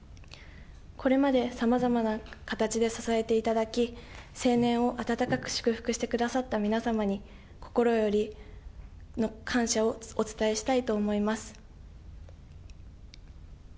これまで様々な形で支えていただき、成年を温かく祝福してくださった皆様に、心よりの感謝をお伝えしたいと思います。